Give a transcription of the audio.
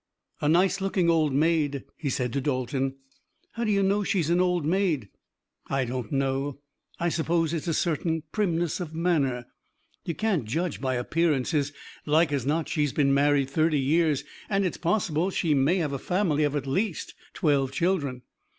"A nice looking old maid," he said to Dalton. "How do you know she's an old maid?" "I don't know. I suppose it's a certain primness of manner." "You can't judge by appearances. Like as not she's been married thirty years, and it's possible that she may have a family of at least twelve children."